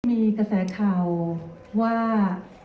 มีกระแสข่าวว่า